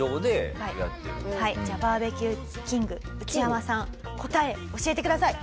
じゃあバーベキューキングウチヤマさん答え教えてください。